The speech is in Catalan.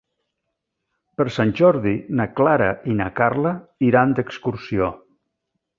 Per Sant Jordi na Clara i na Carla iran d'excursió.